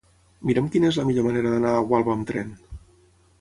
Mira'm quina és la millor manera d'anar a Gualba amb tren.